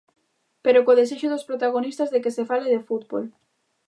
Pero co desexo dos protagonistas de que se fale de fútbol.